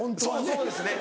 そうですね。